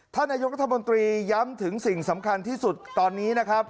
ท่านนายกรัฐมนตรีย้ำถึงสิ่งสำคัญที่สุดตอนนี้นะครับ